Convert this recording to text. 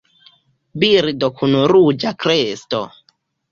Birdo kun ruĝa kresto.